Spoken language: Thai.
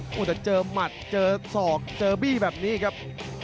โอ้โหแต่เจอหมัดเจอศอกเจอบี้แบบนี้ครับ